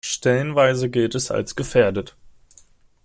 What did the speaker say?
Stellenweise gilt es als gefährdet.